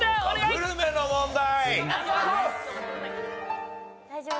グルメの問題。